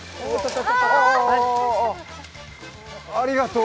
ああありがとう。